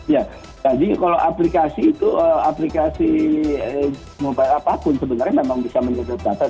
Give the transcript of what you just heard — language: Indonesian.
ya jadi kalau aplikasi itu aplikasi mobile apapun sebenarnya memang bisa menutup data